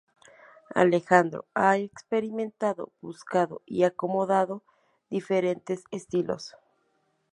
Alejandro ha experimentado, buscado y acomodado diferentes estilos.